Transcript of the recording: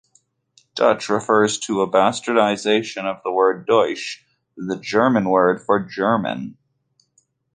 Dutch refers to a bastardisation of the word "Deutsch", the German word for "German".